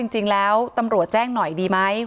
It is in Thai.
จริงแล้วตำรวจแจ้งหน่อยดีไหม